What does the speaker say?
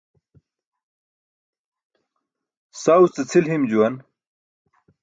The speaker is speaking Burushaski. Saw ce cʰil him juwan.